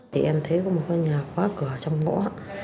thì em thấy có một cái nhà khóa